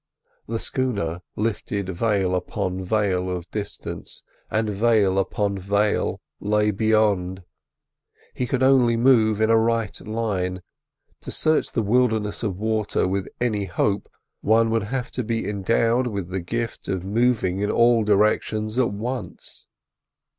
The schooner lifted veil upon veil of distance, and veil upon veil lay beyond. He could only move in a right line; to search the wilderness of water with any hope, one would have to be endowed with the gift of moving in all directions at once.